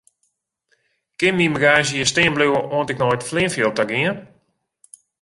Kin myn bagaazje hjir stean bliuwe oant ik nei it fleanfjild ta gean?